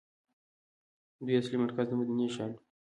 دوی اصلي مرکز د مدینې ښار وو.